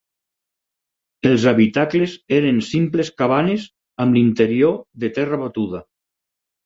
Els habitacles eren simples cabanes amb l'interior de terra batuda.